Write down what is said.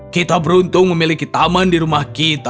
kita beruntung memiliki taman di rumah kita